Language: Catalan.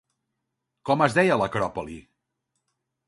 Com es deia l'acròpoli?